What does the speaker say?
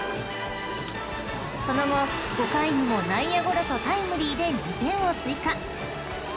［その後５回にも内野ゴロとタイムリーで２点を追加］